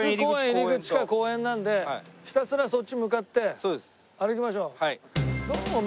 入口か公園なんでひたすらそっち向かって歩きましょう。